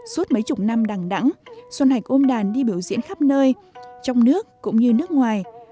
suốt mấy chục năm đàng đẳng xuân hạch ôm đàn đi biểu diễn khắp nơi trong nước cũng như nước ngoài